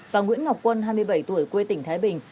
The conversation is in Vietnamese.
và nguyễn ngọc quân hai mươi bảy tuổi quê tỉnh thái bình